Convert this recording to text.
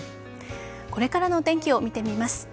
これからの天気を見てみます。